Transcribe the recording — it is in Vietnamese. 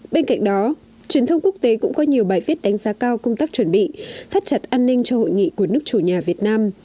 bên cạnh đó truyền thông quốc tế cũng có nhiều bài viết đánh giá cao công tác chuẩn bị thắt chặt an ninh cho hội nghị của nước chủ nhà việt nam